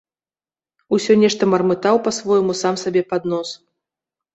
Усё нешта мармытаў па-свойму сам сабе пад нос.